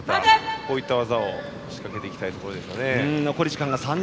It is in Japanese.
こういった技を仕掛けていきたいところですね。